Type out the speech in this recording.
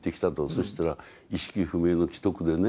そしたら意識不明の危篤でね